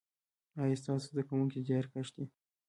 ایا ستاسو زده کونکي زیارکښ دي؟